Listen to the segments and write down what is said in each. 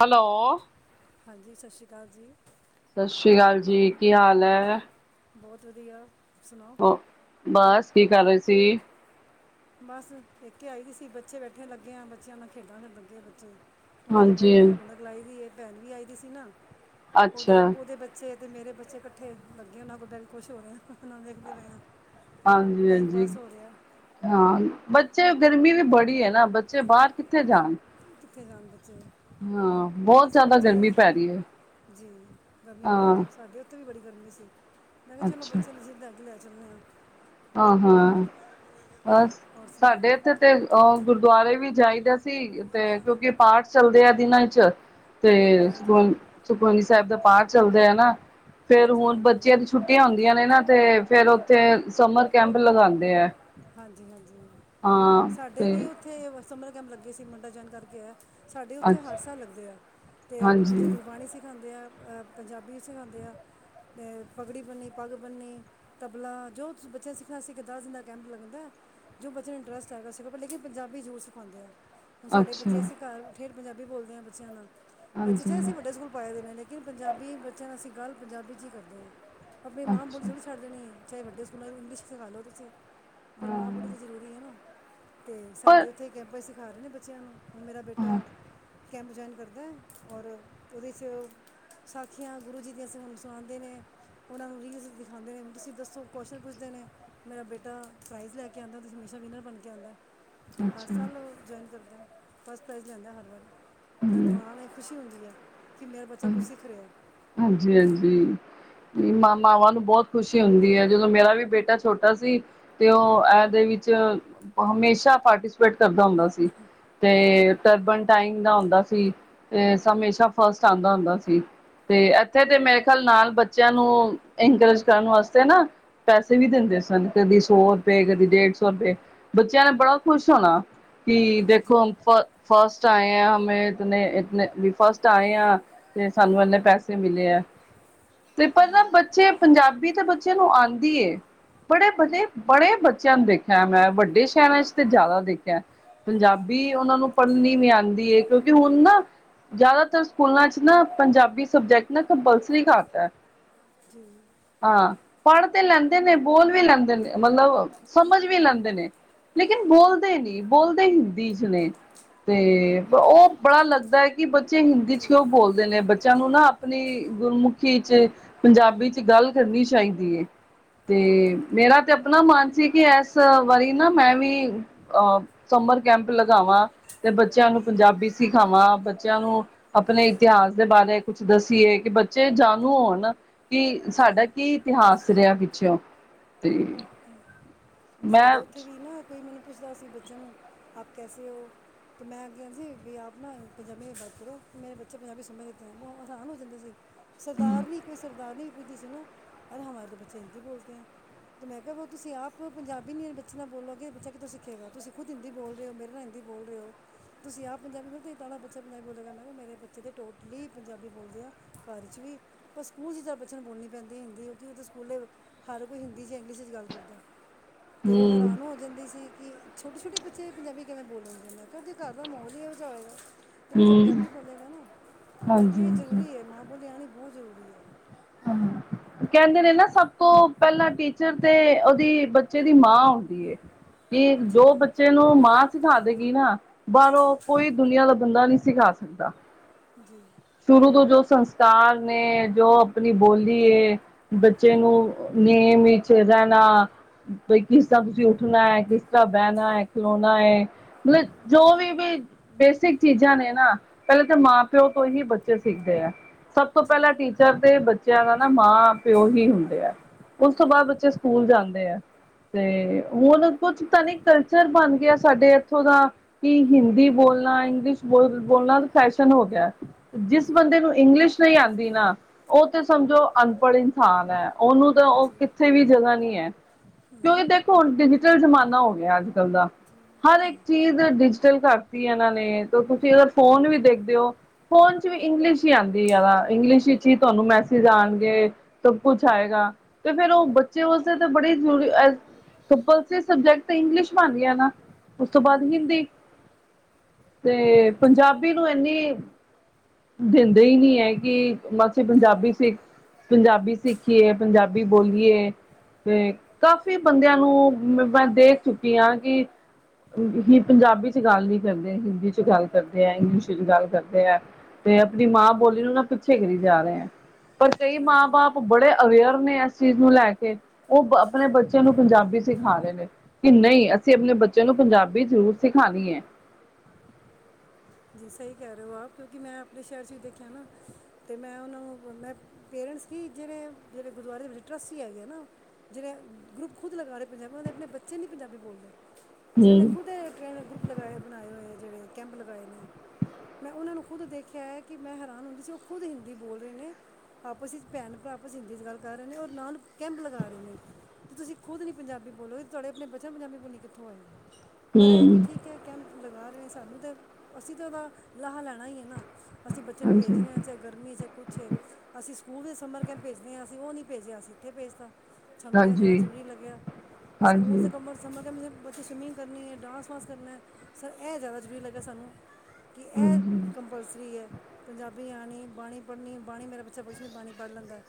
Hello- ਹਾਂਜੀ ਸਤਿ ਸ਼੍ਰੀ ਅਕਾਲ ਜੀ। ਸਤਿ ਸ੍ਰੀ ਅਕਾਲ ਜੀ ਕੀ ਹਾਲ ਹੈ। ਬਹੁਤ ਵਧੀਆ ਸੁਣਾਓ ਹੋ ਬਸ ਕੀ ਕਰ ਰਹੇ ਸੀ। ਬਸ ਇੱਕੇ ਆਈ ਵੀ ਸੀ ਬੱਚੇ ਬੈਠੇ ਲੱਗੇ ਆ ਬੱਚਿਆਂ ਨਾਲ ਖੇਡਾਂ ਖੇਡਣਗੇ ਬੱਚੇ ਉਹਨਾਂ ਕੋਲ ਹਾਂਜੀ ਬੈਠੇ ਆਂ ਰੌਨਕ ਲਾਈ ਹੋਈ ਏ। ਭੈਣ ਵੀ ਆਈ ਦੀ ਸੀ ਨਾ ਅੱਛਾ ਉਹਦੇ ਉਹਦੇ ਬੱਚੇ ਅਤੇ ਮੇਰੇ ਬੱਚੇ ਇਕੱਠੇ ਲੱਗੇ ਉਹਨਾਂ ਕੋਦਾਂ ਵੀ ਖੁਸ਼ ਹੋ ਰਹੇ ਆਂ ਵੇਖਦੇ ਪਏ ਆਂ ਹਾਂਜੀ, ਹਾਂਜੀ ਹਾਂ ਬੱਚੇ ਗਰਮੀ ਵੀ ਬੜੀ ਐ ਨਾ ਬੱਚੇ ਬਾਹਰ ਕਿੱਥੇ ਜਾਣ। ਕਿੱਥੇ ਜਾਂਦੇ ਹਾਂ ਬਹੁਤ ਬਸ ਜ਼ਿਆਦਾ ਬੱਚਿਆਂ ਗਰਮੀ ਪੈ ਰਹੀ ਹੈ ਜੀ ਗਰਮੀ ਬਹੁਤ ਹਾਂ ਐ, ਸਾਡੇ ਉੱਥੇ ਵੀ ਬੜੀ ਗਰਮੀ ਸੀ। ਮੈਂ ਕਿਹਾ ਚਲੋ ਅੱਛਾ ਬੱਚਿਆਂ ਨੂੰ ਜਿੱਦ ਐਗੀ ਲੈ ਚਲਨੇ ਆਂ। ਹਾਂ -ਹਾਂ ਅ ਹੋਰ ਸਾਡੇ ਸੁਣਾਓ ਇੱਥੇ ਤੇ ਬਸ ਗੁਰਦੁਆਰੇ ਵੀ ਜਾਈਦਾ ਸੀ ਤੇ ਕਿਉਂਕਿ ਪਾਠ ਚੱਲਦੇ ਆ ਦਿਨਾਂ ਚ ਤੇ ਹਾਂਜੀ ਸੁਖ ਸੁਖਵਨੀ ਸਾਹਿਬ ਦਾ ਪਾਠ ਚੱਲਦੇ ਐ ਨਾ ਫੇਰ ਹਾਂਜੀ ਹੁਣ ਹਾਂਜੀ ਬੱਚਿਆਂ ਦੀ ਛੁੱਟੀਆਂ ਹੁੰਦੀਆਂ ਨੇ ਨਾ ਤੇ ਫੇਰ ਅਤੇ- ਸਮਰ ਕੈਂਪ ਲਗਾ ਹਾਂਜੀ ਹਾਂਜੀ ਹਾਂਜੀ ਹਾਂ ਸਾਡੇ ਤੇ ਵੀ ਉੱਥੇ ਬਸ ਸਮਰ ਕੈਂਪ ਲੱਗੇ ਲੱਗੇ ਸੀ ਮੁੰਡਾ [unintelligible] ਕਰਕੇ ਆਇਆ। ਸਾਡੇ ਉੱਥੇ ਅੱਛ ਹਰ ਸਾਲ ਲੱਗਦੇ ਆ ਤੇ ਉੱਥੇ ਦੀ ਹਾਂਜੀ ਗੁਰਬਾਣੀ ਸਿਖਾਂਦੇ ਆ। ਪੰਜਾਬੀ ਵੀ ਸਿਖਾਂਦੇ ਆ ਅਤੇ ਪਗੜੀ ਬਣਨੀ ਪੱਗ ਬਣਨੀ ਤਬਲਾ ਜੋ ਬੱਚਾ ਸਿੱਖਣਾ ਸਿੱਖਣ ਦਿੰਦਾ। ਕੈਂਪ ਲੱਗਦਾ ਜੋ ਬੱਚੇ ਨੂੰ ਇੰਟਰਸਟ ਹੈਗਾ ਸਿੱਖ ਦਾ ਪਰ ਲੇਕਿਨ ਪੰਜਾਬੀ ਜ਼ਰੂਰ ਸਿਖਾਂਦੇ ਆ। ਹੁਣ ਸਾਡੇ ਅੱਛਾ ਬੱਚੇ ਅਸੀਂ ਘਰ ਉੱਠੇ। ਪੰਜਾਬੀ ਬੋਲਦੇ ਹਾਂ ਬੱਚਿਆਂ ਨਾਲ। ਬੱਚੇ ਚਾਹੇ ਹਾਂਜੀ ਅਸੀਂ ਵੱਡੇ ਸਕੂਲ ਪਾਏ ਦੇ ਨੇ ਲੇਕਿਨ ਪੰਜਾਬੀ ਬੱਚਿਆਂ ਨਾਲ ਅਸੀਂ ਗੱਲ ਪੰਜਾਬੀ 'ਚ ਹੀ ਕਰਦੇ ਆ ਆਪਣੀ ਮਾਂ ਬੋਲੀ ਅੱਛਾ ਥੋੜੀ ਛੱਡ ਦੇਣੀ ਹੈ। ਚਾਹੇ ਵੱਡੇ ਸਕੂਲਾਂ ਚ ਵੀ ਇੰਗਲਿਸ ਸਿਖਾ ਲਓ ਤੁਸੀਂ। ਪਰ ਮਾਂ ਹਾਂ ਬੋਲੀ ਤਾਂ ਜ਼ਰੂਰੀ ਹੈ ਨਾ। ਤੇ ਪਰ ਸਾਡੇ ਉੱਥੇ ਕਹੇ ਪਏ ਸੀ। ਸਿੱਖਾ ਰਹੇ ਨੇ ਬੱਚਿਆਂ ਨੂੰ। ਉਹ ਮੇਰਾ ਹਾਂ ਬੇਟਾ। ਕੈਂਪ ਜੁਆਇਨ ਕਰਦਾ ਔਰ ਉਹਦੇ 'ਚ ਸਾਖੀਆਂ ਗੁਰੂ ਜੀ ਦੀਆਂ ਸਾਖੀਆਂ ਉਹਨਾਂ ਨੂੰ ਸੁਣਾਉਂਦੇ ਨੇ ਉਹਨਾਂ ਨੂੰ ਰੀਲਸ ਦਿਖਾਉਂਦੇ ਨੇ ਤੁਸੀਂ ਦੱਸੋ ਕੁਸ਼ਚਨ ਪੁੱਛਦੇ ਨੇ ਮੇਰਾ ਬੇਟਾ। ਬੇਟਾ ਪ੍ਰਾਈਜ਼ ਲੈ ਕੇ ਆਂਦਾ ਤੇ ਹਮੇਸ਼ਾ ਵਿਨਰ ਬਣ ਕੇ ਆਂਦਾ ਹਰ ਅੱਛਾ ਸਾਲ ਉਹ ਜੁਆਇਨ ਕਰਦਾ। ਬਸ ਪ੍ਰਾਈਜ਼ ਲੈਂਦਾ ਹਰ ਵਾਰੀ। ਮੈਨੂੰ ਹਮ ਮਾਨ ਹੈ ਖੁਸ਼ੀ ਹੁੰਦੀ ਹੈ। ਕਿ ਮੇਰਾ ਬੱਚਾ ਕੁਛ ਸਿੱਖ ਰਿਹਾ ਹੈ। ਹਾਂਜੀ ਹਾਂਜੀ ਮਾਵਾਂ ਨੂੰ ਬਹੁਤ ਖੁਸ਼ੀ ਹੁੰਦੀ ਹੈ ਜਦੋਂ ਮੇਰਾ ਵੀ ਬੇਟਾ ਛੋਟਾ ਸੀ ਤੇ ਉਹ ਇਹਦੇ ਵਿੱਚ ਹਮੇਸ਼ਾ ਪਾਰਟੀਸਪੇਟ ਕਰਦਾ ਹੁੰਦਾ ਸੀ। ਹਾਂਜੀ ਤੇ ਟਰਬਨਟਾਈਨ ਦਾ ਹੁੰਦਾ ਸੀ। ਸੀ ਤੇ ਹਮੇਸ਼ਾ ਫਸਟ ਆਂਦਾ ਹੁੰਦਾ ਸੀ। ਤੇ ਇੱਥੇ ਤੇ ਮੇਰੇ ਖਿਆਲ ਨਾਲ ਬੱਚਿਆਂ ਨੂੰ ਇਨਕਰੇਜ ਕਰਨ ਵਾਸਤੇ ਨਾ ਪੈਸੇ ਵੀ ਦਿੰਦੇ ਸਨ ਕਦੀ ਸੌ ਰੁਪਏ ਕਦੀ ਡੇਢ ਸੌ ਰੁਪਏ ਬੱਚਿਆਂ ਨੇ ਬੜਾ ਖੁਸ਼ ਹੋਣਾ। ਕੀ ਦੇਖੋ ਜੀ ਫ ਫਸਟ ਆਏ ਏ ਹਮੇਂ ਇਤਨੇ ਇਤਨੇ ਵੀ ਫਸਟ ਆਏ ਆ ਤੇ ਸਾਨੂੰ ਇੰਨੇ ਪੈਸੇ। ਮਿਲੇ ਹੈ ਤੇ ਪਹਿਲਾਂ ਬੱਚੇ ਪੰਜਾਬੀ ਤੇ ਬੱਚਿਆਂ ਨੂੰ ਆਂਦੀ ਹੈ ਬੜੇ ਬੜੇ ਬੜੇ ਬੱਚਿਆਂ ਨੂੰ ਦੇਖਿਆ ਹੈ ਮੈਂ ਵੱਡੇ ਸ਼ਹਿਰਾਂ ਚ ਤੇ ਜ਼ਿਆਦਾ ਦੇਖਿਆ ਪੰਜਾਬੀ ਉਹਨਾਂ ਨੂੰ ਪੜ੍ਹਨੀ ਵੀ ਆਂਦੀ ਹੈ ਕਿਉਂਕਿ ਹੁਣ ਨਾ ਜ਼ਿਆਦਾਤਰ ਸਕੂਲਾਂ ਚ ਨਾ ਪੰਜਾਬੀ। ਸਬਜੈਕਟ ਨਾ ਕੰਪਲਸਰੀ ਕਰਤਾ ਹੈ। ਹਾਂ। ਪੜ੍ਹ ਤੇ ਲੈਂਦੇ ਨੇ ਬੋਲ ਵੀ ਲੈਂਦੇ ਨੇ ਮਤਲਬ ਸਮਝ ਵੀ ਲੈਂਦੇ ਨੇ ਲੇਕਿਨ ਬੋਲਦੇ ਨਹੀਂ ਬੋਲਦੇ ਹਿੰਦੀ ਚ ਨੇ ਤੇ ਉਹ ਬੜਾ ਲੱਗਦਾ ਹੈ ਕਿ। ਬੱਚੇ ਹਿੰਦੀ ਚ ਜੀ ਕਿਉਂ ਬੋਲਦੇ ਨੇ ਬੱਚੇ। ਬੱਚਿਆਂ ਨੂੰ ਨਾ ਆਪਣੀ ਗੁਰਮੁਖੀ ਚ ਪੰਜਾਬੀ ਚ ਗੱਲ ਕਰਨੀ ਚਾਹੀਦੀ ਹੈ ਤੇ ਮੇਰਾ ਤੇ ਆਪਣਾ ਮਨ ਸੀ ਕਿ ਇਸ ਵਾਰੀ ਨਾ ਮੈਂ ਵੀ ਅਹ ਸਮਰ ਕੈਂਪ ਲਗਾਵਾਂ ਤੇ ਬੱਚਿਆਂ ਨੂੰ ਪੰਜਾਬੀ ਸਿਖਾਵਾਂ ਬੱਚਿਆਂ ਨੂੰ ਆਪਣੇ ਇਤਿਹਾਸ ਦੇ ਬਾਰੇ। ਕੁਛ ਦੱਸੀਏ ਕਿ ਬੱਚੇ ਜਾਣੋ ਹੁਣ ਕਿ ਸਾਡਾ ਜੀ ਕੀ ਇਤਿਹਾਸ ਰਿਹਾ ਪਿਛਿਓ ਤੇ ਹੂੰ ਮੈਂ ਸਾਡੇ ਉੱਥੇ ਵੀ ਨਾ ਕੋਈ ਮੈਨੂੰ ਪੁੱਛਦਾ ਸੀ ਬੱਚਿਆਂ ਨੂੰ ਆਪ ਕੈਸੇ ਹੋ ਤਾਂ ਮੈਂ ਅੱਗੇ ਆਉਂਦਾ ਸੀ ਵੀ ਆਪ ਨਾ ਪੰਜਾਬੀ ਦੀ ਬਤ ਕਰੋ ਮੇਰੇ ਬੱਚੇ ਪੰਜਾਬੀ ਸਮਝ ਲੇਤੇ ਐ ਉਹ ਹੈਰਾਨ ਹੋ ਜਾਂਦੇ ਸੀ ਸਰਦਾਰ ਨੀ ਕੋਈ ਸਰਦਾਰ ਸੀ ਨਾ ਅਰੇ ਹਮਾਰੇ ਤਾਂ ਬੱਚੇ ਹਿੰਦੀ ਬੋਲਦੇ ਹੈ ਤ ਮੈਂ ਕਿ ਬ ਤੁਸੀਂ ਆਪ ਪੰਜਾਬੀ ਨਹੀਂ ਬੱਚੇ ਨਾਲ ਬੋਲੋਗੇ ਬੱਚਾ ਕਿੱਥੋਂ ਸਿੱਖੇਗਾ ਤੁਸੀਂ ਖੁਦ ਹਿੰਦੀ ਬੋਲ ਰਹੇ ਹੋ ਮੇਰੇ ਨਾਲ ਹਿੰਦੀ ਬੋਲ ਰਹੇ ਹੋ ਤੁਸੀਂ ਆਪ ਪੰਜਾਬੀ ਮਿਰਰੇ ਤਾਂ ਇ ਤਣਾ ਬੱਚਾ ਪੰਜਾਬੀ ਬੋਲਿਆ ਕਰਦਾ ਮੇਰੇ ਬੱਚੇ ਤਾਂ ਟੋਟਲੀ ਪੰਜਾਬੀ ਬੋਲਦੇ ਆ ਘਰ 'ਚ ਵੀ ਪਰ ਸਕੂਲ 'ਚ ਬੱਚਿਆਂ ਨੂੰ ਬੋਲਣੀ ਪੈਂਦੀ ਹੈ ਹਿੰਦੀ ਕਿਉਂਕਿ ਉਥੇ ਸਕੂਲ ਦੇ ਹਰ ਕੋਈ ਹਿੰਦੀ ਜਾਂ ਇੰਗਲਿਸ਼ ਗੱਲ ਕਰਦੇ ਤੇ ਉਹ ਹੂੰ ਹੈਰਾਨ ਹੋ ਜਾਂਦੀ ਸੀ ਕਿ ਛੋਟੇ ਛੋਟੇ ਬੱਚੇ ਪੰਜਾਬੀ ਕਿਵੇਂ ਬੋਲਣਗੇ ਮੈਂ ਕਿਹਾ ਜੇ ਘਰ ਮਾਹੌਲ ਹੀ ਇਹੋ ਜਾਹਾ ਹੋਵੇਗਾ ਤੇ ਬੱਚਾ ਹੂੰ ਪੰਜਾਬੀ ਬੋਲੇਗਾ ਨਾ ਹਾਂਜੀ ਤੇ ਹਾਂਜੀ ਜ਼ਰੂਰੀ ਏ ਮਾਂ ਬੋਲੀ ਆਣੀ ਬਹੁਤ ਜ਼ਰੂਰੀ ਹੈ ਕਹਿੰਦੇ ਨੇ ਨਾ ਸਭ ਤੋਂ ਪਹਿਲਾਂ ਟੀਚਰ ਤੇ ਉਹਦੀ ਬੱਚੇ ਦੀ ਮਾਂ ਹੁੰਦੀ ਕਿ ਜੀ ਜੋ ਬੱਚੇ ਨੂੰ ਮਾ ਸਿਖਾ ਦੇਗੀ ਨਾ ਬਾਹਰੋਂ ਕੋਈ ਦੁਨੀਆਂ ਦਾ ਬੰਦਾ ਨਹੀਂ ਸਿਖਾ ਸਕਦਾ ਜੀ ਸ਼ੁਰੂ ਤੋਂ ਜੋ ਸੰਸਕਾਰ ਨੇ ਜੋ ਆਪਣੀ ਬੋਲੀ ਏ ਬੱਚੇ ਨੂੰ ਨੇਮ ਵਿੱਚ ਰਹਿਣਾ ਬ ਕਿਸ ਤਰ੍ਹਾਂ ਤੁਸੀਂ ਉੱਠਣਾ ਹੈ ਕਿਸ ਤਰ੍ਹਾਂ ਬਹਿਣਾ ਏ ਖਿਲੋਣਾ ਏ ਮਤਲਬ ਜੋ ਵੀ ਵੀ ਬੇਸਿਕ ਚੀਜ਼ਾਂ ਨੇ ਨਾ ਪਹਿਲੇ ਤਾਂ ਮਾਂ ਪਿਓ ਤੋਂ ਹੀ ਬੱਚੇ ਸਿੱਖਦੇ ਹੈ ਸਭ ਤੋਂ ਜੀ ਪਹਿਲਾਂ ਟੀਚਰ ਤੇ ਬੱਚਿਆਂ ਨਾਲ ਆ ਮਾ ਪਿਓ ਹੀ ਮਾਂ ਹੁੰਦੇ ਆ ਜੀ ਉਸ ਤੋਂ ਬਾਅਦ ਬੱਚੇ ਸਕੂਲ ਜਾਂਦੇ ਆ ਤੇ ਹੁਣ ਕੁਛ ਤਾਂ ਨਹੀਂ ਕਲਚਰ ਬਣ ਗਿਆ ਸਾਡੇ ਇੱਥੋਂ ਦਾ ਕਿ ਹਿੰਦੀ ਬੋਲਣਾ ਇੰਗਲਿਸ਼ ਬੋਲ ਬੋਲਣਾ ਫੈਸ਼ਨ ਹੋ ਗਿਆ। ਜਿਸ ਬੰਦੇ ਨੂੰ ਇੰਗਲਿਸ਼ ਨਹੀਂ ਆਉਂਦੀ ਨਾ ਉਹ ਤੇ ਸਮਝੋ ਅਨਪੜ੍ਹ ਇਨਸਾਨ ਏ ਉਹਨੂੰ ਤਾਂ ਉਹ ਕਿੱਥੇ ਵੀ ਜਗ੍ਹਾ ਨਹੀਂ ਹੈ ਕਿਉਂਕਿ ਦੇਖੋ ਹੁਣ ਡਿਜੀਟਲ ਜਮਾਨਾ ਹੋ ਗਿਆ ਅੱਜ ਕੱਲ੍ਹ ਦਾ ਹਰ ਇੱਕ ਚੀਜ਼ ਡਿਜੀਟਲ ਕਰਤੀ ਇਹਨਾਂ ਨੇ ਤੇ ਤੁਸੀਂ ਇਹ ਫੋਨ ਵੀ ਦੇਖਦੇ ਹੋ ਫੋਨ ਚ ਵੀ ਇੰਗਲਿਸ਼ ਹੀ ਆਉਂਦੀ ਹੈ ਇੰਗਲਿਸ਼ ਵਿੱਚ ਹੀ ਤੁਹਾਨੂੰ ਮੈਸੇਜ ਆਉਣਗੇ ਸਭ ਕੁਛ ਆਏਗਾ ਤੇ ਫੇਰ ਉਹ ਬੱਚੇ ਵਾਸਤੇ ਤਾਂ ਬੜੀ ਜ਼ਰੂਰੀ ਕੰਪਸਰੀ ਸਬਜੈਕਟ ਇੰਗਲਿਸ਼ ਬ ਆਉਂਦੀ ਨਾ ਉਸ ਤੋਂ ਬਾਅਦ ਹਿੰਦੀ ਤੇ ਪੰਜਾਬੀ ਥੈਂਕ- ਨੂੰ ਇੰਨੀ ਦਿੰਦੇ ਹੀ ਨਹੀਂ ਹੈ ਕੀ ਮਾਸੀ ਪੰਜਾਬੀ ਅਹਿਮੀਅਤ ਸਿੱਖ ਹੈ। ਪੰਜਾਬੀ ਸਿੱਖ ਦੇਖੀਏ ਪੰਜਾਬੀ ਬੋਲੀਏ ਤੇ ਕਾਫ਼ੀ ਬੰਦਿਆਂ ਨੂੰ ਮੈਂ ਦੇਖ ਚੁੱਕੀ ਹਾਂ ਕਿ ਹੀ ਪੰਜਾਬੀ ਚ ਗੱਲ ਨਹੀਂ ਕਰਦੇ ਹਿੰਦੀ ਚ ਗੱਲ ਕਰਦੇ ਹੈ ਇੰਗਲਿਸ਼ ਚ ਗੱਲ ਕਰਦੇ ਹੈ ਤੇ ਆਪਣੀ ਮਾਂ ਬੋਲੀ ਨੂੰ ਨਾ ਪਿੱਛੇ ਕਰੀ ਜਾ ਰਹੇ ਹੈ ਪਰ ਕਈ ਮਾਂ ਹਾਂਜੀ ਬਾਪ ਬੜੇ ਅਵੇਅਰ ਨੇ ਇਸ ਚੀਜ਼ ਨੂੰ ਲੈ ਕੇ ਉਹ ਆਪਣੇ ਬੱਚਿਆਂ ਨੂੰ ਪੰਜਾਬੀ ਸਿਖਾ ਰਹੇ ਨੇ ਕਿ ਨਹੀਂ ਅਸੀਂ ਆਪਣੇ ਬੱਚਿਆਂ ਨੂੰ ਪੰਜਾਬੀ ਜ਼ਰੂਰ ਸਿਖਾਣੀ ਹੈ ਜੀ ਸਹੀ ਕਹਿ ਰਹੇ ਹੋ ਆਪ ਕਿਉਂਕਿ ਮੈਂ ਆਪਣੇ ਸ਼ਹਿਰ 'ਚ ਵੀ ਦੇਖਿਆ ਨਾ ਅਤੇ ਮੈਂ ਉਹਨਾਂ ਨੂੰ ਮੈਂ ਪੇਰੈਂਟਸ ਹੀ ਜਿਹੜੇ ਜਿਹੜੇ ਗੁਰਦੁਆਰੇ ਦੇ ਵਿੱਚ ਟਰੱਸਟ ਹੀ ਹੈਗੇ ਆ ਨਾ ਜਿਹੜੇ ਗਰੁੱਪ ਖੁਦ ਲਗਾ ਰਹੇ ਪੰਜਾਬੀ ਉਹ ਦੇ ਆਪਣੇ ਬੱਚੇ ਨਹੀਂ ਪੰਜਾਬੀ ਬੋਲਦੇ ਜਿਨ੍ਹਾਂ ਨੇ ਹਮ ਖੁਦ ਗਰੁੱਪ ਲਗਾਏ ਬਣਾਏ ਹੋਏ ਜਿਹੜੇ ਕੈਂਪ ਲਗਾਏ ਨੇ ਮੈਂ ਉਹਨਾਂ ਨੂੰ ਖੁਦ ਦੇਖਿਆ ਹੈ ਕਿ ਮੈਂ ਹੈਰਾਨ ਹੁੰਦੀ ਸੀ ਉਹ ਖੁਦ ਹਿੰਦੀ ਬੋਲ ਰਹੇ ਨੇ ਆਪਸ ਵਿੱਚ ਭੈਣ ਭਰਾ ਆਪਸ ਹਿੰਦੀ ' ਗੱਲ ਕਰ ਰਹੇ ਨੇ ਔਰ ਨਾਨ ਕੈਂਪ ਲਗਾ ਰਹੇ ਨੇ ਅਤੇ ਤੁਸੀਂ ਖੁਦ ਨਹੀਂ ਪੰਜਾਬੀ ਬੋਲੋ ਤੁਹਾਡੇ ਆਪਣੇ ਬੱਚਿਆਂ ਨੂੰ ਪੰਜਾਬੀ ਬੋਲਣੀ ਕਿੱਥੋਂ ਆਏ ਪਰ ਇਹ ਕਿ ਹਮ ਠੀਕ ਹੈ ਕੈਂਪ ਲਗਾ ਸਾਨੂੰ ਤਾਂ ਅਸੀਂ ਤਾਂ ਉਹਦਾ ਲਾਹਾ ਲੈਣਾ ਹੀ ਹੈ ਨਾ ਅਸੀਂ ਬੱਚੇ ਨੂੰ ਭੇਜ ਹਾਂਜੀ ਰਹੇ ਹਾਂ ਚਾਹੇ ਗਰਮੀ ਚੇ ਕੁਛ ਅਸੀਂ ਸਕੂਲ ਦੇ ਸਮਰ ਕਹਿ ਭੇਜਦੇ ਹਾਂ ਅਸੀਂ ਉਹ ਨਹੀਂੀ ਭੇਜੇ ਅਸੀ ਇੱਥੇ ਭੇਜਤਾ ਸਾਨੂੰ ਇਹ ਜ਼ਿਆਦਾ ਹਾਂਜੀ ਜ਼ਰੂਰੀ ਲੱਗਿਆ ਸਕੂਲ ਦੇ ਹਾਂਜੀ ਕੰਮ [unintelligible] ਬੱਚੇ ਸਵਿਮਿੰਗ ਕਰਨੀ ਡਾਂਸ ਵਾਂਸ ਕਰਨਾ ਸਰ ਇਹ ਜ਼ਿਆਦਾ ਜਰੂਰੀ ਲੱਗਾ ਸਾਨੂੰ ਕਿ ਇਹ ਹਾਂਜੀ, ਕੰਪਲਸਰੀ ਹੈ ਪੰਜਾਬੀ ਵੀ ਆਣੀ ਬਾਣੀ ਪੜ੍ਹਨੀ ਬਾਣੀ ਮੇਰਾ ਬੱਚਾ ਪੁੱਛਦਾ ਪਾਣੀ ਪੜ੍ਹ ਲੈਂਦਾ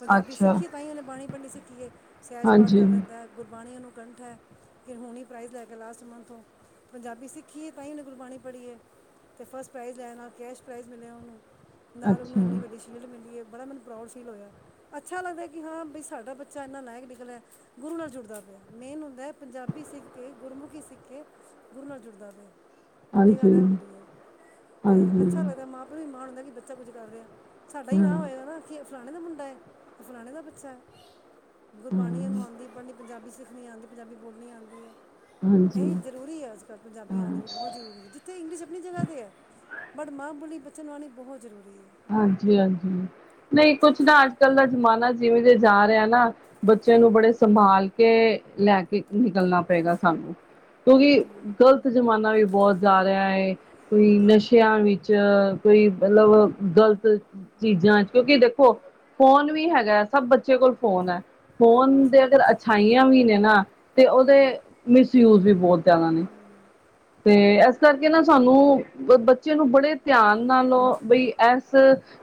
ਪੰਜਾਬੀ ਅੱਛਾ, ਸਿੱਖੀਏ ਤਾਂ ਹੀ ਉਹਨੇ ਬਾਣੀ ਪੜਨੀ ਸਿੱਖੀ ਏ ਸਹਿਜ ਪਾਠ ਹਾਂਜੀ, ਕਰ ਦਿੰਦਾ ਗੁਰਬਾਣੀ ਨੂੰ ਕੰਠ ਹੈ ਫਿਰ ਹੁਣੀ ਹੀ ਪ੍ਰਾਈਜ਼ ਲੈ ਕੇ ਲਾਸਟ ਮੰਥੋਂ ਪੰਜਾਬੀ ਸਿੱਖੀ ਏ ਤਾਂ ਹੀ ਉਹਨੇ ਗੁਰਬਾਣੀ ਪੜ੍ਹੀਏ ਅਤੇ ਫਸਟ ਪ੍ਰਾਈਜ਼ ਲੈਣ ਨਾਲ ਕੈਸ਼ ਪ੍ਰਾਈਜ਼ ਮਿਲਿਆ ਉਹਨੂੰ ਨਾਲ ਉਹਨੂੰ ਅੱਛਾ, ਇੰਨੀ ਵੱਡੀ ਸ਼ੀਲਡ ਮਿਲੀ ਹੈ ਬੜਾ ਮੈਨੂੰ ਪ੍ਰਾਊਡ ਫੀਲ ਹੋਇਆ ਅੱਛਾ ਲੱਗਦਾ ਕਿ ਹਾਂ ਬਈ ਸਾਡਾ ਬੱਚਾ ਇੰਨਾ ਲਾਇਕ ਨਿਕਲਿਆ ਗੁਰੂ ਨਾਲ ਜੁੜਦਾ ਪਿਆ ਮੇਨ ਹੁੰਦਾ ਪੰਜਾਬੀ ਸਿੱਖ ਕੇ ਗੁਰਮੁਖੀ ਸਿੱਖ ਕੇ ਗੁਰੂ ਨਾਲ ਜੁੜਦਾ ਪਿਆ ਵੱਡੀ ਗੱਲ ਹਾਂਜੀ, ਹੈ ਹੂੰ ਦੀ ਤੇ ਅੱਛਾ ਹਾਂਜੀ, ਲੱਗਦਾ ਮਾਂ ਪਿਓ ਨੂੰ ਇਹ ਮਾਣ ਬੱਚਾ ਕੁਝ ਕਰ ਰਿਹਾ ਸਾਡਾ ਹੀ ਹਾਂ, ਨਾਂ ਹੋਏਗਾ ਨਾ ਕਿ ਫਲਾਣੇ ਦਾ ਮੁੰਡਾ ਮੁੰਡਾ ਇਹ ਫਲਾਣੇ ਦਾ ਬੱਚਾ ਹੈ ਗੁਰਬਾਣੀ ਇਹਨੂੰ ਹਾਂ, ਆਂਦੀ ਪੜਨੀ ਪੰਜਾਬੀ ਸਿੱਖ ਨਹੀਂ ਆਂਦੀ ਪੰਜਾਬੀ ਬੋਲਣੀ ਆਂਦੀ ਐ ਹਾਂਜੀ, ਇਹ ਜ਼ਰੂਰੀ ਹੈ ਅੱਜ ਕੱਲ੍ਹ ਪੰਜਾਬੀ ਹਾਂ। ਆਣੀ ਬਹੁਤ ਜ਼ਰੂਰੀ ਹੈ ਜਿੱਥੇ ਇੰਗਲਿਸ਼ ਬਟ ਮਾਂ ਬੋਲੀ ਬੱਚਿਆਂ ਨੂੰ ਆਣੀ ਬਹੁਤ ਜ਼ਰੂਰੀ ਹੈ ਹਾਂਜੀ ਹਾਂਜੀ ਨਹੀਂ ਕੁਛ ਨਾ ਅੱਜ ਕੱਲ ਦਾ ਜ਼ਮਾਨਾ ਜਿਵੇਂ ਜੇ ਜਾ ਰਿਹਾ ਨਾ ਬੱਚੇ ਨੂੰ ਬੜੇ ਸੰਭਾਲ ਕੇ ਲੈ ਕੇ ਨਿਕਲਣਾ ਪਏਗਾ ਸਾਨੂੰ, ਕਿਉਂਕਿ ਗ਼ਲਤ ਜ਼ਮਾਨਾ ਵੀ, ਬਹੁਤ ਜਾ ਰਿਹਾ ਹੈ ਕੋਈ ਨਸ਼ਿਆਂ ਵਿੱਚ ਕੋਈ ਮਤਲਬ, ਗ਼ਲਤ ਚੀਜ਼ਾਂ ਚ ਕਿਉਂਕਿ ਦੇਖੋ ਫੋਨ ਵੀ ਹੈਗਾ ਹੈ ਸਭ ਬੱਚੇ ਕੋਲ ਫੋਨ ਹੈ। ਫੋਨ ਜੀ ਦੇ ਅਗਰ ਅੱਛਾਈਆਂ ਵੀ ਨੇ ਨਾ ਤੇ ਉਹਦੇ ਮਿਸਯੂਜ ਵੀ ਬਹੁਤ ਜ਼ਿਆਦਾ ਨੇ, ਤੇ ਇਸ ਕਰਕੇ ਨਾ ਸਾਨੂੰ ਬੱਚੇ ਨੂੰ ਬੜੇ ਧਿਆਨ ਨਾਲ ਬਈ ਇਸ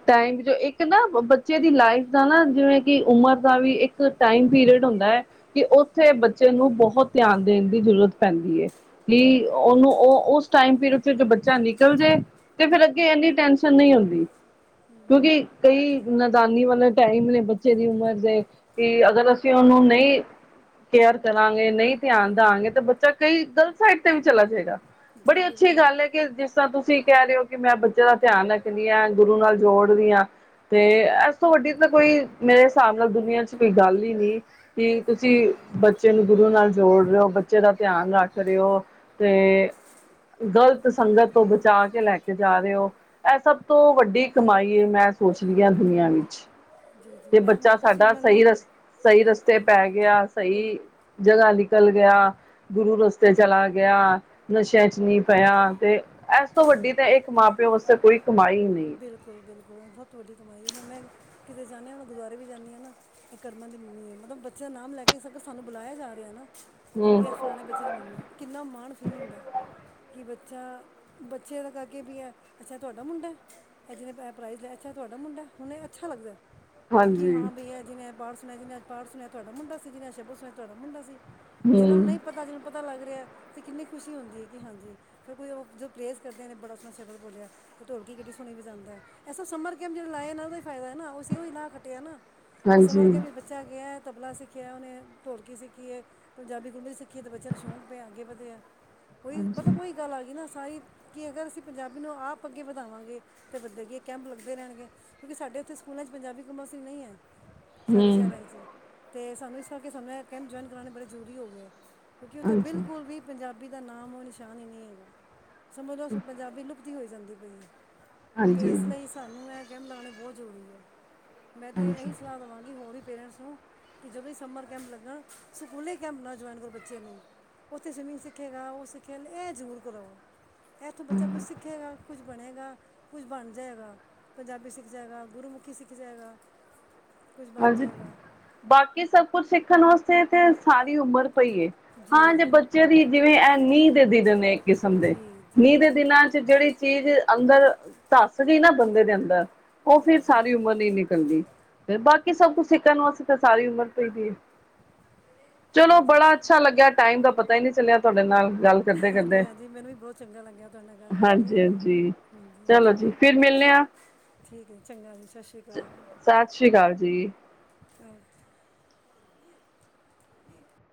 ਟਾਈਮ ਇੱਕ ਨਾ ਬੱਚੇ ਦੀ ਲਾਈਫ ਦਾ ਨਾ ਜਿਵੇਂ ਕਿ ਉਮਰ ਦਾ ਵੀ ਇੱਕ ਟਾਈਮ ਪੀਰੀਅਡ ਹੁੰਦਾ ਹੈ ਕਿ ਉੱਥੇ ਬੱਚੇ ਨੂੰ ਬਹੁਤ ਧਿਆਨ ਦੇਣ ਦੀ ਜ਼ਰੂਰਤ ਪੈਂਦੀ ਹੈ ਕਿ, ਉਹਨੂੰ ਉਹ ਉਸ ਟਾਈਮ ਪੀਰੀਅਡ ਚ ਜੋ ਬੱਚਾ ਨਿਕਲ ਜੇ ਤੇ ਫਿਰ ਅੱਗੇ ਇਨੀ ਟੈਸ਼ਨ ਨਹੀਂ ਹੁੰਦੀ। ਕਿਉਂਕਿ ਕਈ ਨੈਦਾਨੀ ਵਾਲੇ ਟਾਈਮ ਨੇ ਬੱਚੇ ਦੀ ਉਮਰ ਦੇ ਕਿ ਅਗਰ ਅਸੀਂ ਉਹਨੂੰ ਨਹੀਂ ਕੇਅਰ ਕਰਾਂਗੇ। ਨਹੀਂ ਧਿਆਨ ਦਾਂਗੇ ਤੇ ਬੱਚਾ, ਕਈ ਗਲਤ ਸਾਈਡ ਦੇ, ਚਲਾ ਜਾਏਗਾ। ਜੀ ਬੜੀ ਅੱਛੀ ਬਿਲਕੁਲ ਗੱਲ ਹੈ ਕਿ ਜਿਸ ਤਰ੍ਹਾਂ ਤੁਸੀਂ, ਤੁਸੀਂ ਕਹਿ ਰਹੇ ਹੋ ਕਿ ਮੈਂ ਬੱਚੇ ਦਾ ਧਿਆਨ ਰੱਖਦੀ ਹਾਂ ਗੁਰੂ ਨਾਲ ਜੋੜਦੀ ਹਾਂ ਤੇ ਇਸ ਤੋਂ ਵੱਡੀ ਤਾਂ ਕੋਈ ਮੇਰੇ ਹਿਸਾਬ ਨਾਲ ਦੁਨੀਆਂ ਚ ਕੋਈ ਗੱਲ ਹੀ ਨੀ ਕਿ ਤੁਸੀਂ ਬੱਚੇ ਨੂੰ ਗੁਰੂ ਨਾਲ ਜੋੜ ਰਹੇ ਹੋ ਬੱਚੇ ਦਾ ਧਿਆਨ ਰੱਖ ਰਹੇ ਹੋ। ਤੇ ਗਲਤ ਸੰਗਤ ਤੋਂ ਬਚਾ ਕੇ ਲੈ ਕੇ ਜਾ ਰਹੇ ਹੋ ਇਹ ਸਭ ਤੋਂ ਵੱਡੀ ਕਮਾਈ ਮੈਂ ਸੋਚਦੀ ਹਾਂ ਦੁਨੀਆਂ ਵਿੱਚ ਜੀ ਜੀ ਤੇ ਮੈਂ ਬੱਚਾ ਹੁਣ ਤੁਸੀਂ ਸਾਡਾ ਸਹੀ ਮੰਨੋ ਰਸ ਸਹੀ ਰਸ ਤੇ ਪੈ ਗਿਆ ਸਹੀ ਜਗ੍ਹਾ ਨਿਕਲ ਗਿਆ ਗੁਰੂ ਰਸਤੇ ਚਲਾ ਗਿਆ। ਗਿਆ ਨਸ਼ਿਆਂ ਚ ਨੀ ਪਿਆ ਤੇ ਇਸ ਤੋਂ ਵੱਡੀ ਤਾਂ ਇੱਕ ਮਾਂ ਪਿਓ ਵਾਸਤੇ ਕੋਈ ਕਮਾਈ ਨਹੀਂ। ਬਿਲਕੁਲ-ਬਿਲਕੁਲ ਸਭ ਤੋ ਵੱਡੀ ਕਮਾਈ ਹੈ ਹੁਣੇ ਕਿਤੇ ਜਾਂਦੀ ਹੁਣ ਗੁਰਦੁਆਰੇ ਵੀ ਜਾਂਦੀ ਹਾਂ ਨਾ ਇਹ ਕੇ ਕਰਮਾਂ ਦੀ ਮੰਮੀ ਹੈ ਮਤਲਬ ਬੱਚਿਆਂ ਦਾ ਨਾਮ ਲੈ ਕੇ ਸਾਨੂੰ ਬੁਲਾਇਆ ਜਾ ਰਿਹਾ ਹੈ ਨਾ ਹਮ ਵੀ ਅ ਫਲਾਣੇ ਬੱਚੇ ਦੀ ਮੰਮੀ ਕਿੰਨਾ ਮਾਣ ਫੀਲ ਹੁੰਦਾ। ਕਿ ਬੱਚਾ ਬੱਚੇ ਤਾਂ ਗਾਗੇ ਵੀ ਹੈ ਅੱਛਾ ਤੁਹਾਡਾ ਮੁੰਡਾ। ਇਹ ਪ੍ਰਾਈਜ਼ ਲਿਆ ਤੁਹਾਡਾ ਮੁੰਡਾ ਹੁਣ ਅੱਛਾ ਲੱਗਦਾ। ਕਿ ਹਾਂਜੀ ਹਾਂ ਬਈਆ ਜਿਵੇ ਬਾਹਰ, [unintelligible] ਅੱਜ ਪਾ ਸੁਣਿਆ ਤੁਹਾਡਾ ਮੁੰਡਾ ਸੀ ਜਹੇ ਸ਼ਭ ਸੁਣਿਆ ਤੁਹਾਡ ਮੁੰਡਾ ਸੀ। ਜਿਹਨਾਂ ਨੂੰ ਹਮ ਨਹੀਂ ਪਤਾ ਜਿਹਨੂੰ ਪਤਾ ਲੱਗ ਰਿਹਾ। ਤੇ ਕਿੰਨੀ ਖੁਸ਼ੀ ਹੁੰਦੀ ਹੈ ਕਿ ਹਾਂਜੀ ਫਿਰ ਕੋਈ ਉਹ ਜਦ ਪ੍ਰੇਜ਼ ਕਰਦੇ ਨੇ ਬੜਾ ਉਸਤਣਾ ਸ਼ਬਰ ਬੋਲਿਆ ਤੇ ਢੋਲਕ ਕਿ ਸੁਣੀ ਵੀ ਜਾਂਦਾ ਐਸਾ ਸਮਰ [unintelligible] ਲਾਏ ਨੇ ਉਹਦਾ ਫਾਇਦਾ ਨਾ ਉਹ ਹੀ ਈ ਨਾਹ ਕੱਟਿਆ ਨਾ, ਸਮਰ ਹਾਂਜੀ ਕੇ ਵਿੱਚ ਬੱਚਾ ਗਿਆ। ਤਬਲਾ ਸਿੱਖਿਆ ਉਹਨੇ ਢੋਲਕੀ ਸਿੱਖੀਏ ਪੰਜਾਬੀ ਗਲੂਮੀ ਵੀ ਸਿੱਖੀ ਹੈ ਅਤੇ ਬੱਚਿਆਂ ਨੂੰ ਸ਼ੌਂਕ ਪਿਆ ਅੱਗੇ ਵਧਿਆ। ਉਹੀ ਹਾਂਜੀ ਮਤਲਬ ਉਹੀ ਗੱਲ ਆ ਗਈ ਨਾ, ਸਾਰੀ ਕਿ ਅਗਰ ਅਸੀਂ ਪੰਜਾਬੀ ਨੂੰ ਆਪ ਅੱਗੇ ਵਧਾਵਾਂਗੇ। ਅਤੇ ਬੰਦੇ ਕੀ ਕੈਂਪ ਲੱਗਦੇ ਰਹਿਣਗੇ ਕਿਉਂਕਿ ਸਾਡੇ ਉੱਥੇ ਸਕੂਲ ਪੰਜਾਬੀ ਕੰਪਲਸਰੀ ਨਹੀਂ ਹੈ। ਸਾਡੇ ਹਮ ਸ਼ਹਿਰਾ ਚ, ਅਤੇ ਸਾਨੂੰ ਇਸ ਕਰਕੇ ਸਾਨੂੰ ਕੈਂਪ ਜੁਆਇਨ ਕਰਵਾਣੇ ਬੜੇ ਜ਼ਰੂਰੀ ਹੋ ਗਏ ਹੈ। ਕਿਉਂਕਿ ਉੱਥੇ ਹਾਂਜੀ ਬਿਲਕੁਲ ਪੰਜਾਬੀ ਭੀ ਦਾ ਨਾਮ ਉਹ ਨਿਸ਼ਾਨ ਹੀ ਨਹੀਂ ਹੈਗਾ। ਸਮਝ ਲੋ ਪੰਜਾਬੀ ਲੁ ਵਧੀ ਹੋਈ ਜਾਂਦੀ ਪਈ ਤੇ ਹਾਂਜੀ ਇਸ ਲਈ ਸਾਨੂੰ ਇਹ ਗੇਮ ਲਾਉਣੇ ਬਹੁਤ ਜ਼ਰੂਰੀ ਹੈ ਮੈਂ ਤੇ ਹਾਂਜੀ ਇਹੀ ਸਲਾਹ ਦੇਵਾਂਗੀ ਹੋਰ ਹੀ ਪੇਰੈਂਟਸ ਨੂੰ ਕਿ ਜਦੋਂ ਸਮਰ ਕੈਂਪ ਲੱਗਣ ਸਕੂਲੇ ਕੈਂਪ ਨਾ ਜੁਆਇਨ ਕਰੋ ਬੱਚੇ ਨੂੰ ਉੱਥੇ ਸਵਿਮਿੰਗ ਸਿੱਖੇਗਾ ਉਹ ਸਿੱਖੇ ਇਹ ਜ਼ਰੂਰ ਕਰੋ ਇੱਥੋਂ ਬੱਚਾ ਕੁਛ ਸਿੱਖੇਗਾ ਕੁਛ ਬਣੇਗਾ ਕੁਝ ਬਣ ਜਾਏਗਾ ਪੰਜਾਬੀ ਸਿੱਖ ਜਾਏਗਾ ਗੁਰੂਮੁਖੀ ਸਿੱਖ ਜਾਏਗਾ ਕੁਝ ਬਣ ਹਾਂਜੀ ਜਾਏਗਾ ਬਾਕੀ ਸਭ ਕੁਛ ਸਿੱਖ ਦੇਖਣ ਵਾਸਤੇ ਤੇ ਸਾਰੀ ਉਮਰ ਪਈਏ ਜੀ ਹਾਂ ਜੇ ਬੱਚਿਆਂ ਦੀ ਜਿਵੇਂ ਐ ਨੀਂਦ ਦੀਦੇ ਕਿਸਮ ਦੇ ਜੀ ਜੀ ਨੀਂਹ ਦੇ ਦਿਨਾਂ ਚ ਜਿਹੜੀ ਚੀਜ਼ ਅੰਦਰ ਧੱਸ ਗਈ ਨਾ ਬੰਦੇ ਦੇ ਅੰਦਰ ਉਹ ਫੇਰ ਸਾਰੀ ਉਮਰ ਨਹੀਂ ਨਿਕਲਦੀ ਫੇਰ ਬਾਕੀ ਸਭ ਕੁਛ ਸਿੱਖਣ ਵਾਸਤੇ ਤਾਂ ਸਾਰੀ ਉਮਰ ਪਾਈ ਹੈ ਚਲੋ ਜੀ ਜੀ ਬੜਾ ਅੱਛਾ ਲੱਗਿਆ ਟਾਈਮ ਦਾ ਪਤਾ ਹੀ ਨਹੀਂ ਚੱਲਿਆ ਤੁਹਾਡੇ ਨਾਲ ਗੱਲ ਕਰਦੇ ਕਰਦੇ ਹਾਂਜੀ ਹਾਂਜੀ ਮੈਨੂੰ ਵੀ ਬਹੁਤ ਚੰਗਾ ਲੱਗਿਆ ਤੁਹਾਡੇ ਨਾਲ ਗੱਲ ਕਰਕੇ ਹਾਂਜੀ ਹਾਂਜੀ ਹਾਂਜੀ ਚਲੋ ਜੀ ਫਿਰ ਮਿਲਣੇ ਆ ਠੀਕ ਹੈ ਚੰਗਾ ਜੀ ਸਤਿ ਸ਼੍ਰੀ ਸਤਿ ਸ੍ਰੀ ਅਕਾਲ ਜੀ ਹਮ